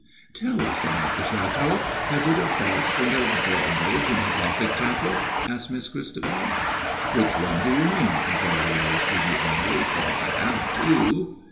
"Tell us about the château. Has it a fosse and a drawbridge and a Gothic chapel?" asked Miss Christabel. "Which one do you mean?" inquired Aristide, airily. "For I have two."